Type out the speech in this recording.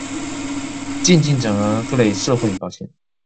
漸進整合各類社會保險